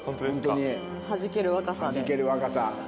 はじける若さで。